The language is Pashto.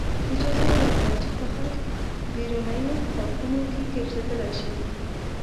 اجازه یې راکړه چې فقط بیرونیو پارکونو کې ګرځېدلی شئ.